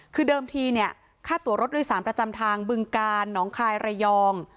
คือเดิมทีเนี่ยค่าตัวรถโดยสารประจำทางบึงกาลหนองคายระยอง